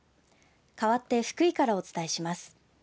かわって福井からお伝えします。